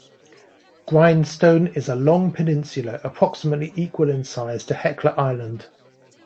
Grindstone is a long peninsula approximately equal in size to Hecla Island.